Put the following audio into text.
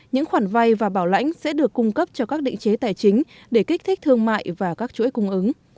những khoản vay và bảo lãnh sẽ được cung cấp cho các định chế tài chính để kích thích thương mại và các chuỗi cung ứng